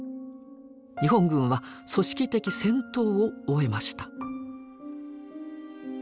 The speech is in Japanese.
日本軍は組織的戦闘を終えました。